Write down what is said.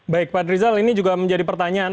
baik pak rizal ini juga menjadi pertanyaan